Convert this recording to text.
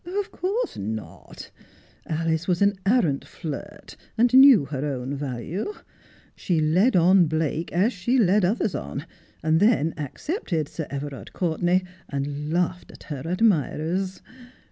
' Of course not. Alice was an arrant flirt, and knew her own value. She led on Blake, as she led others on, and then accepted Sir Everard Courtenay, and laughed at her admirers.